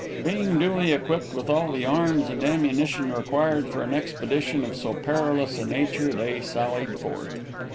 Being duly equipped with all the arms and ammunition required for an expedition of so perilous a nature, they sallied forth.